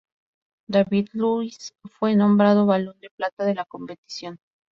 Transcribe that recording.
David Luiz fue nombrado Balón de Plata de la competición.